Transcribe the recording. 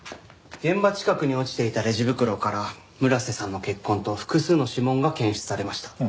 現場近くに落ちていたレジ袋から村瀬さんの血痕と複数の指紋が検出されました。